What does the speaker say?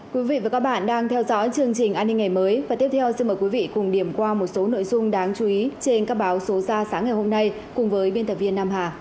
quý vị và các bạn đang theo dõi chương trình an ninh ngày mới và tiếp theo xin mời quý vị cùng điểm qua một số nội dung đáng chú ý trên các báo số ra sáng ngày hôm nay cùng với biên tập viên nam hà